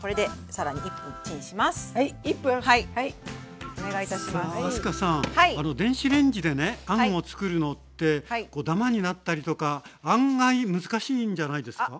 さあ明日香さん電子レンジでねあんを作るのってダマになったりとか案外難しいんじゃないですか？